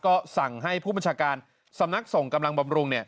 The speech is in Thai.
ก็สั่งให้ผู้บัญชาการสำนักส่งกำลังบำรุง